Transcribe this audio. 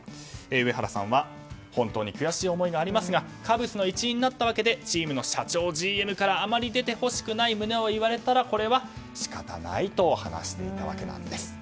上原さんは本当に悔しい思いがありますがカブスの一員になったわけでチームの社長、ＧＭからあまり出てほしくない旨を言われたらこれは仕方ないと話していたんです。